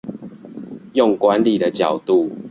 用管理的角度